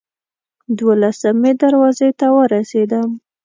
دولسمې دروازې ته ورسېدم.